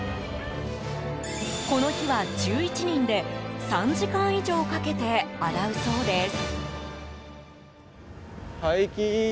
この日は、１１人で３時間以上かけて洗うそうです。